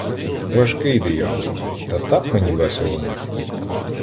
Важкий, диявол, та так мені весело нести.